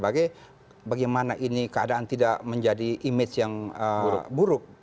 bagaimana ini keadaan tidak menjadi image yang buruk